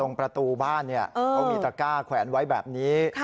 ตรงประตูบ้านเขามีตระก้าแขวนไว้แบบนี้